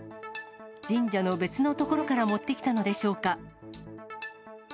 神社の別の所から持ってきたのでしょうか。